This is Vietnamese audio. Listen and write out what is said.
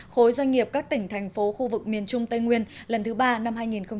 khối doanh nghiệp các tỉnh thành phố khu vực miền trung tây nguyên lần thứ ba năm hai nghìn hai mươi